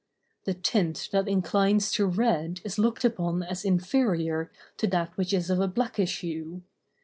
The tint that inclines to red is looked upon as inferior to that which is of a blackish hue.